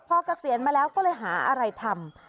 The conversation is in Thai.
พอเกษียณมาแล้วก็เลยหาอะไรทำ